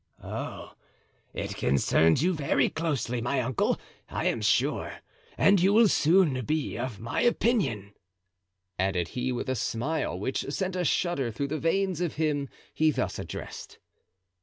"Oh, it concerns you very closely, my uncle, I am sure, and you will soon be of my opinion," added he, with a smile which sent a shudder through the veins of him he thus addressed.